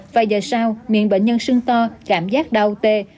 vài giờ sau miệng bệnh nhân sưng to cảm giác đau tê